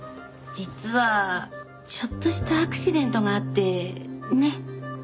実はちょっとしたアクシデントがあってねえ。